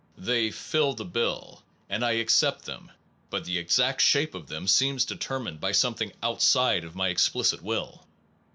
They fill the bill and I accept them, but the exact shape of them seems deter mined by something outside of my explicit will.